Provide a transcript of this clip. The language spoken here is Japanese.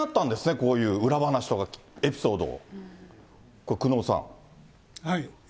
こういう裏話とかエピソードを。